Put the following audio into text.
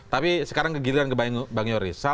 tapi sekarang kegiliran ke bang yoris